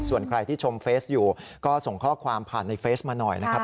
ส่วนใครที่ชมเฟสอยู่ก็ส่งข้อความผ่านในเฟซมาหน่อยนะครับ